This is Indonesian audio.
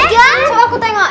eh coba aku tengok